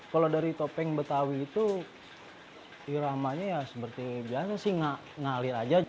kalau dari topeng betawi itu iramanya ya seperti biasa sih ngalir aja